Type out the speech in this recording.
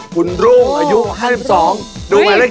คุณรุ่งอายุ๕๒ดูหมายเลข๓